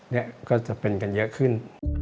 นี่ก็จะเป็นกันเยอะขึ้น